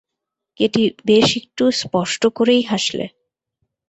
Katie বেশ-একটু স্পষ্ট করেই হাসলে।